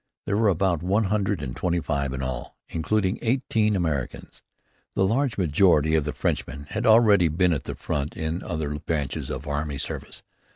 There were about one hundred and twenty five in all, including eighteen Americans. The large majority of the Frenchmen had already been at the front in other branches of army service.